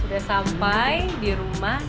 sudah sampai di rumah